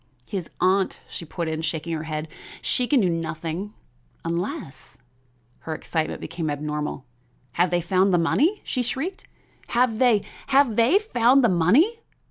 "His aunt," she put in, shaking her head. "She can do nothing, unless " Her excitement became abnormal. "Have they found the money?" she shrieked; "have they have they found the money?"